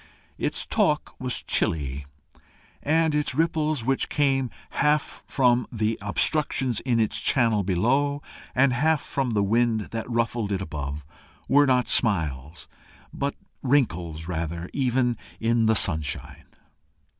Its talk was chilly, and its ripples, which came half from the obstructions in its channel below, and half from the wind that ruffled it above, were not smiles, but wrinkles rather even in the sunshine.